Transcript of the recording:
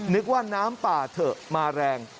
นึกว่าน้ำป่าเถอะมาแรง